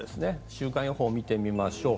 週間予報を見てみましょう。